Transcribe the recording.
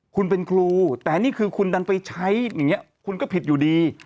คุณเป็นครูแต่นี่คือคุณดันไปใช้อย่างนี้คุณก็ผิดอยู่ดี